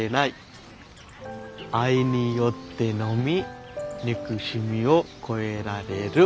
愛によってのみ憎しみを越えられる。